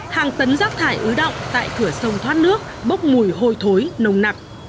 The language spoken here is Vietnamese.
hàng tấn rác thải ứ động tại cửa sông thoát nước bốc mùi hôi thối nồng nặc